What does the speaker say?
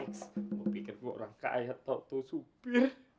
kamu pikir aku orang kaya atau supir